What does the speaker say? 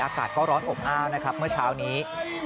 อากาศก็ร้อนอบอ้าวนะครับเมื่อเช้านี้